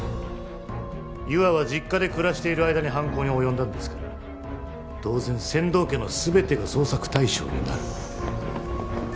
優愛は実家で暮らしている間に犯行に及んだんですから当然千堂家の全てが捜索対象になる。